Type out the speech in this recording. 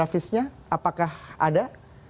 visinya apakah ada